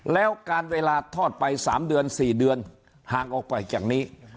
แล้วการเวลาทอดไป๓เดือน๔เดือนห่างออกไปจากนี้